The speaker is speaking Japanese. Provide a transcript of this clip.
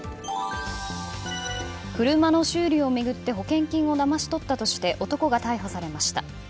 車の修理を巡って保険金をだまし取ったとして男が逮捕されました。